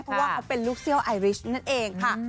เพราะว่าเขาเป็นลูกเซี่ยวไอริชนั่นเองค่ะ